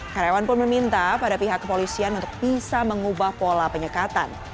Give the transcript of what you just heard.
karyawan pun meminta pada pihak kepolisian untuk bisa mengubah pola penyekatan